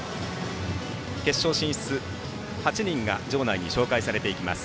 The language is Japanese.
決勝進出８人が場内に紹介されます。